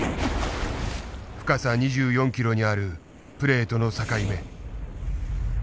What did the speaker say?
深さ２４ｋｍにあるプレートの境目。